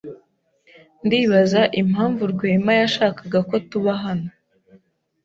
Ndibaza impamvu Rwema yashakaga ko tuba hano.